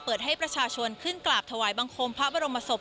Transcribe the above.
เปิดให้ประชาชนขึ้นกราบถวายบังคมพระบรมศพ